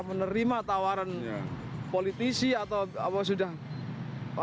menerima tawaran politisi atau apa sudah menerima tawaran politisi atau apa sudah menerima tawaran politisi atau apa sudah